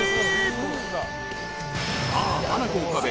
［さあハナコ岡部］